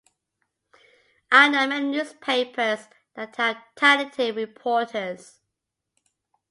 I know many newspapers that have talented reporters.